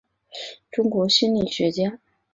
中国心理学家。